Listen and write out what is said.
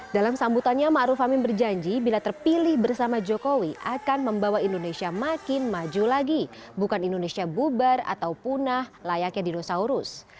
dalam sambutannya ⁇ maruf ⁇ amin berjanji bila terpilih bersama jokowi akan membawa indonesia makin maju lagi bukan indonesia bubar atau punah layaknya dinosaurus